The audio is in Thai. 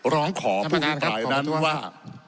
ร้องขอผู้อภิปรายนั้นว่า